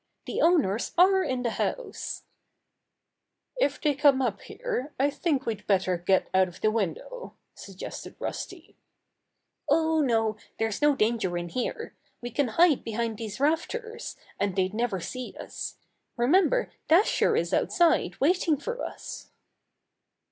"The owners are in the house." 20 Bobby Gray Squirrel's Adventures "If they come up here, I think we'd better get out of the window," suggested Rusty. "Oh, no, there's no danger in here. We can hide behind these rafters, and they'd never see us. Remember Dasher is outside waiting for us."